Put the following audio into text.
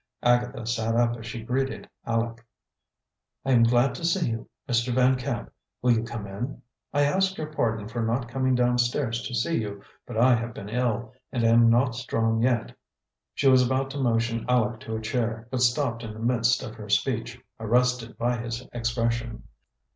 Agatha sat up as she greeted Aleck. "I am glad to see you, Mr. Van Camp. Will you come in? I ask your pardon for not coming downstairs to see you, but I have been ill, and am not strong yet." She was about to motion Aleck to a chair, but stopped in the midst of her speech, arrested by his expression.